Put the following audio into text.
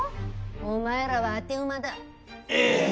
お前らは当て馬だ。え。